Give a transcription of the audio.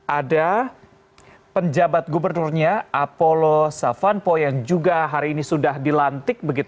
ada penjabat gubernurnya apolo savanpo yang juga hari ini sudah dilantik